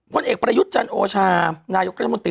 เอกประยุทธ์จันโอชานายกรัฐมนตรี